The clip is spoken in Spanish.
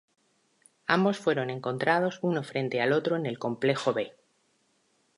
Ambos fueron encontrados uno frente al otro en el "Complejo B".